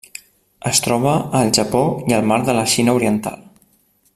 Es troba al Japó i al Mar de la Xina Oriental.